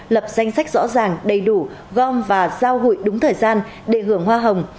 lập danh sách rõ ràng đầy đủ gom và giao hụi đúng thời gian để hưởng hoa hồng